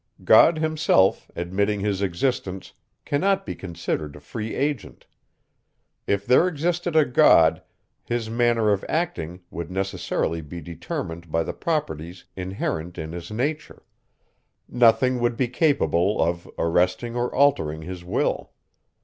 God himself, admitting his existence, cannot be considered a free agent. If there existed a God, his manner of acting would necessarily be determined by the properties inherent in his nature; nothing would be capable of arresting or altering his will.